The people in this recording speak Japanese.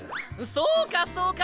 そうかそうか。